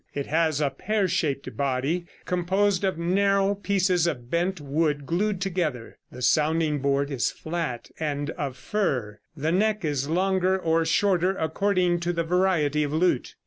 It has a pear shaped body, composed of narrow pieces of bent wood glued together; the sounding board is flat, and of fir. The neck is longer or shorter, according to the variety of lute.